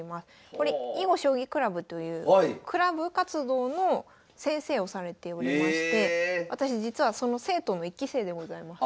これ囲碁将棋クラブというクラブ活動の先生をされておりまして私実はその生徒の１期生でございます。